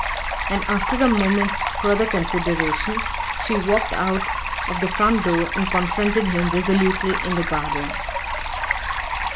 And after a moment's further consideration, she walked out of the front door and confronted him resolutely in the garden.